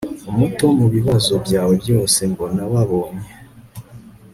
umuto mubibazo byawe byose mbona wabonye